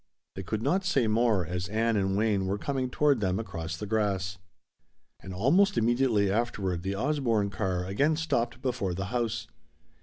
They could not say more, as Ann and Wayne were coming toward them across the grass. And almost immediately afterward the Osborne car again stopped before the house.